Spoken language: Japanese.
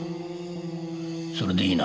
それでいいな？